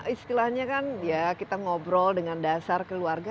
istilahnya kan ya kita ngobrol dengan dasar keluarga